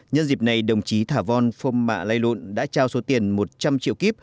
nhân dịp này đồng chí thả vòn phôm mạ lây luộn đã trao số tiền một trăm linh triệu kíp